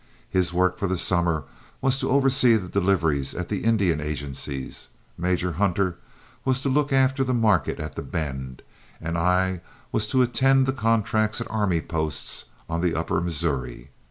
His work for the summer was to oversee the deliveries at the Indian agencies, Major Hunter was to look after the market at The Bend, and I was to attend to the contracts at army posts on the upper Missouri.